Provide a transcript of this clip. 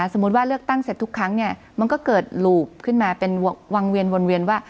สมมุติว่าเลือกตั้งเสร็จทุกครั้งเนี่ยมันก็เกิดหลูบขึ้นมาเป็นวังเวียนวนเวียนว่า